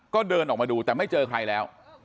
ก็เดินออกมาดูแต่ไม่เจอใครแล้ว